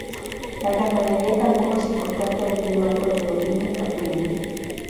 La ganadería tampoco es importante, habiendo algo de ovino y caprino.